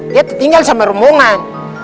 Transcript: dia tertinggal sama rombongan